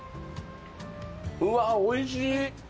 うわ、おいしい。